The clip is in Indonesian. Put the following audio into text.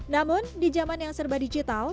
namun di zaman yang serba digital